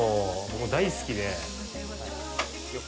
僕、大好きで。